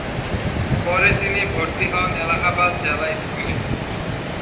পরে তিনি ভর্তি হন এলাহাবাদ জেলা স্কুলে।